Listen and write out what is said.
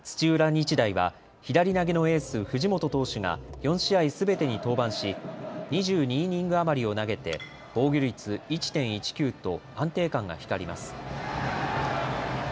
日大は左投げのエース、藤本投手が４試合すべてに登板し２２イニング余りを投げて防御率１．１９と安定感が光ります。